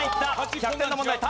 １００点の問題。